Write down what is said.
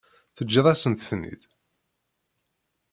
Teǧǧiḍ-asent-ten-id.